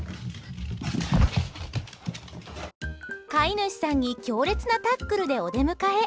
飼い主さんに強烈なタックルでお出迎え。